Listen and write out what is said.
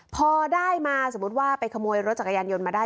พอได้มาสมมุติว่าไปขโมยรถจักรยานยนต์มาได้